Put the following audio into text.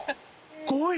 ５位！？